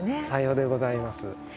さようでございます。